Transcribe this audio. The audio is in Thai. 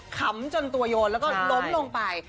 ขำจนตัวโยนแล้วก็ล้มลงไป